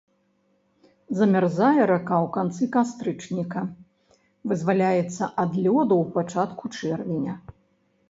Замярзае рака ў канцы кастрычніка, вызваляецца ад лёду ў пачатку чэрвеня.